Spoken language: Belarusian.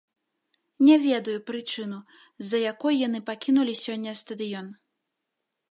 Не ведаю прычыну, з-за якой яны пакінулі сёння стадыён.